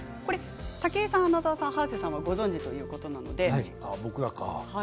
武井さん、穴澤さん、早瀬さんはご存じということなので。